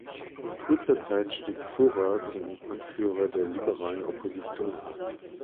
In kurzer Zeit stieg Furrer zum Anführer der liberalen Opposition auf.